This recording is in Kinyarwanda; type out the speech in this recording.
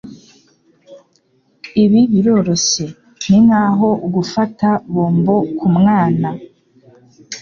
Ibi biroroshye. Ninkaho gufata bombo kumwana.